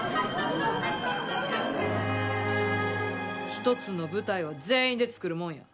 一つの舞台は全員で作るもんや。